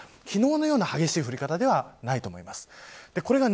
ただ、昨日のような激しい降り方ではないと思います。